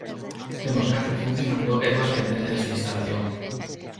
Temos catro funcionando e dúas pendentes de instalación.